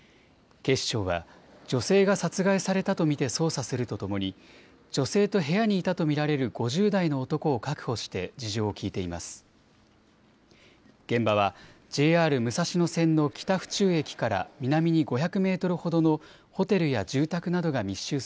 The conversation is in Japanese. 警視庁は女性が殺害されたと見て捜査するとともに女性と部屋にいたと見られる５０代の男を確保して事情を聴いています。